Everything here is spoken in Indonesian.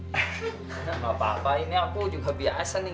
tidak apa apa ini aku juga biasa nih